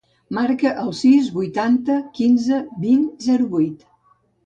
Marca el sis, vuitanta, quinze, vint, zero, vuit.